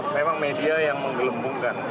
memang media yang menggelembungkan